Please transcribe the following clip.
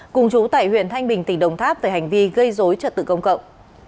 cùng chú tại huyện thanh bình tỉnh đồng tháp về hành vi gây dối trật tự công cộng